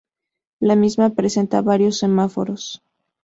La misma presenta varios semáforos.